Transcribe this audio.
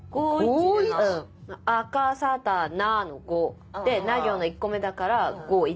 アカサタナの５でナ行の１個目だから５・１。